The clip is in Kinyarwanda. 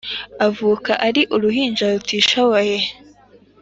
avuka ari uruhinja rutishoboye